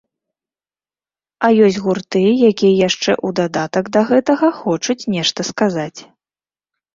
А ёсць гурты, якія яшчэ, у дадатак да гэтага, хочуць нешта сказаць.